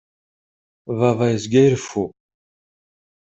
Baba yezga ireffu.